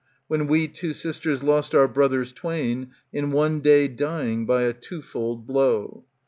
When we, two sisters, lost our brothers tw^ain, In one day dying by a twofold blow.